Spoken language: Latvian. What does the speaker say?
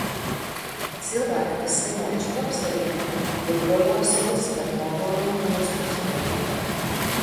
Cilvēki, kas slimojuši pavasarī, joprojām sūdzas par nogurumu un uztveres grūtībām.